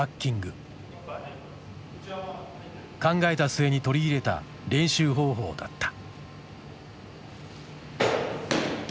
考えた末に取り入れた練習方法だった。